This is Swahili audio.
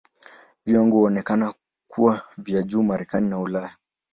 Viwango huonekana kuwa vya juu Marekani na Ulaya.